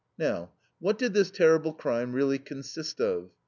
Now, what did this "terrible crime" really consist of?